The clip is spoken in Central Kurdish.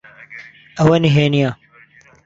ئەوە نهێنییە؟